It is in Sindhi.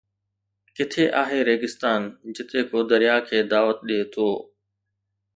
ڪٿي آهي ريگستان جتي ڪو درياهه کي دعوت ڏئي ٿو